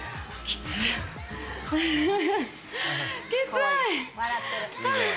きつい。